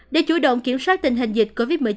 để chủ động kiểm soát tình hình dịch covid một mươi chín